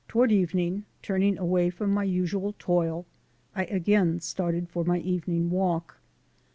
Toward evening, turning away from my usual toil, I again started for my evening walk.